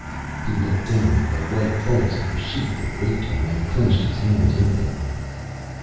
He looked down at the white folds of the sheet that draped him, and clenched his hands impotently.